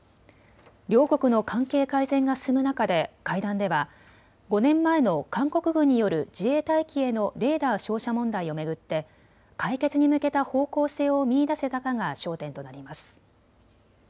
両国の関係改善が進む中で会談では５年前の韓国軍による自衛隊機へのレーダー照射問題を巡って解決に向けた方向性を見いだせたかが焦点となります。